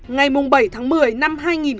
ngày bảy tháng một mươi năm hai nghìn hai mươi một